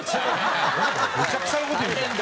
めちゃくちゃな事言うじゃん。